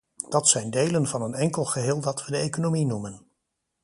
Dat zijn delen van een enkel geheel dat we de economie noemen.